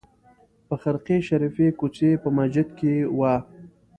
په خرقې شریفې کوڅې په مسجد کې وه.